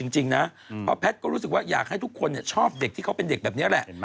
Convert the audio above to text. จริงนะเพราะแพทย์ก็รู้สึกว่าอยากให้ทุกคนชอบเด็กที่เขาเป็นเด็กแบบนี้แหละ